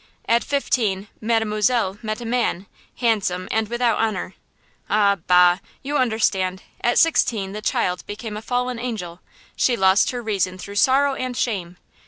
At fifteen Mademoiselle met a man, handsome and without honor. Ah, bah! you understand! at sixteen the child became a fallen angel! She lost her reason through sorrow and shame.